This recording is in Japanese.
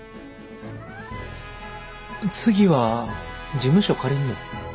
次は事務所借りんの？